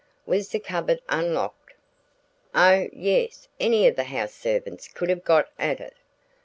"Was the cupboard unlocked?" "Oh, yes; any of the house servants could have got at it."